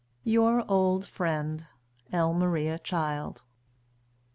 Your old friend, L. MARIA CHILD.